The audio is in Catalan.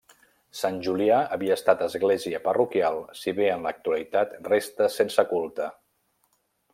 Sant Julià havia estat església parroquial si bé en l'actualitat resta sense culte.